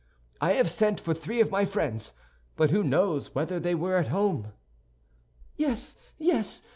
I have sent for three of my friends, but who knows whether they were at home?" "Yes, yes!